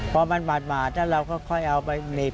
พอมันหมาตถ้าเราก็ค่อยเอาไปเหนียบ